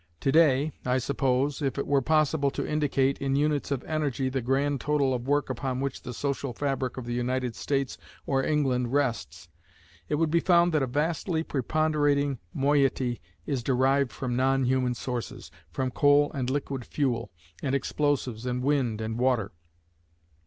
To day, I suppose, if it were possible to indicate, in units of energy, the grand total of work upon which the social fabric of the United States or England rests, it would be found that a vastly preponderating moiety is derived from non human sources, from coal and liquid fuel, and explosives and wind and water.